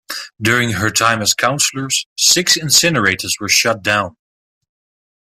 During her time as councillor six incinerators were shut down.